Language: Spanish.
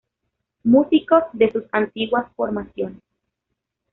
Músicos de sus antiguas formaciones.